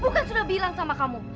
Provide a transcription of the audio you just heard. ibu kan sudah bilang sama kamu